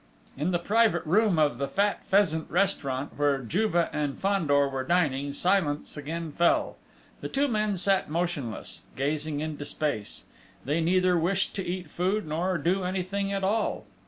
In the private room of the Fat Pheasant restaurant, where Juve and Fandor were dining, silence again fell. The two men sat motionless, gazing into space. They neither wished to eat food nor do anything at all.